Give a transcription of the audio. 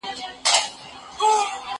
دا سیر له هغه ښه دی؟!